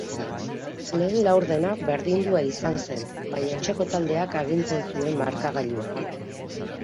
Lehen laurdena berdindua izan zen, baina etxeko taldeak agintzen zuen markagailuan.